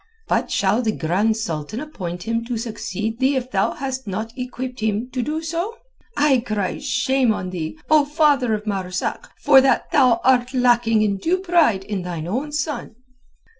"But shall the Grand Sultan appoint him to succeed thee if thou hast not equipped him so to do? I cry shame on thee, O father of Marzak, for that thou art lacking in due pride in thine own son."